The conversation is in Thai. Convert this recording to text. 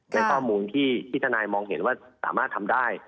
ในข้อมูลที่ทนายมองเห็นว่าสามารถทำได้